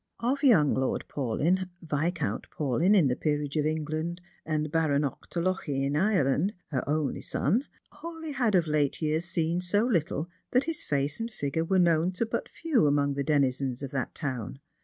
Of young Lord Paulyn (Viscount Paulyn in the peerage of England, and Baron Ouchterlochy in Ireland), her only son, Hawleigh had of late years seen so little that his fiice and figure were known to but few among the denizens of that town.